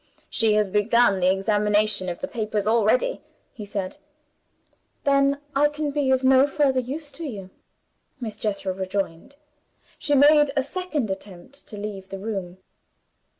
"She has begun the examination of the papers already," he said. "Then I can be of no further use to you," Miss Jethro rejoined. She made a second attempt to leave the room.